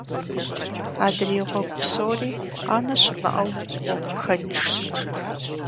Адрей гъуэгу псори, къанэ щымыӀэу, гъуэгу пхэнжщ.